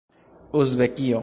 uzbekio